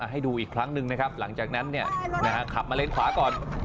ให้ดูอีกครั้งหนึ่งนะครับหลังจากนั้นขับมาเลนขวาก่อน